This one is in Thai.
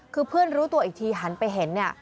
คือเพื่อนรู้ตัวอีกทีหันไปเห็นเนี่ย